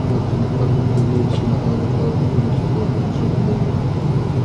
هر خلیفه د ټولنې د اصلاح لپاره خپله ستراتیژي لرله.